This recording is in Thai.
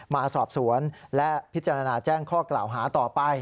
มาสอบสวนและพิจารณาแจ้งข้อกล่าวหาต่อไป